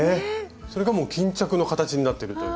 それがもう巾着の形になってるという。